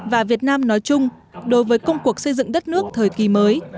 và việt nam nói chung đối với công cuộc xây dựng đất nước thời kỳ mới